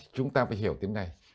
chúng ta phải hiểu tiếng này